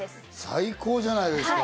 最高じゃないですか！